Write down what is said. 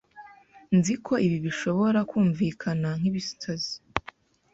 Nzi ko ibi bishobora kumvikana nkibisazi,